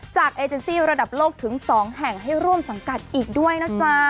เอเจนซี่ระดับโลกถึง๒แห่งให้ร่วมสังกัดอีกด้วยนะจ๊ะ